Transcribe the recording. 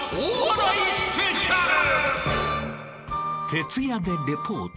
［徹夜でリポート。